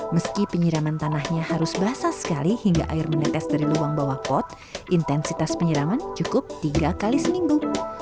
meski penyiraman tanahnya harus basah sekali hingga air menetes dari lubang bawah pot intensitas penyiraman cukup tiga kali seminggu